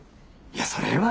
いやそれは。